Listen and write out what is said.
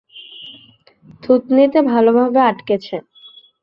থুতনিতে ভালোভাবে আটকেছে।